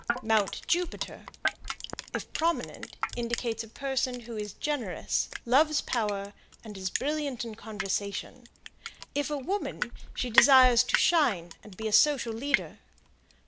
Mount Jupiter, if prominent, indicates a person who is generous, loves power, and is brilliant in conversation; if a woman, she desires to shine and be a social leader.